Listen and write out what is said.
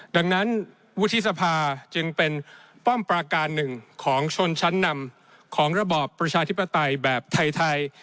ดังนั้นวุฒิสภาจึงเป็นป้อมประการหนึ่งของชนชั้นนำของระบอบประชาธิปไตยแบบไทย